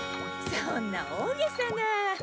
そんな大げさな。